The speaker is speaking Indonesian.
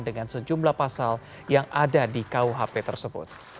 dengan sejumlah pasal yang ada di kuhp tersebut